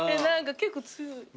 結構強い。